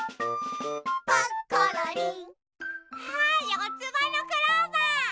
よつばのクローバー！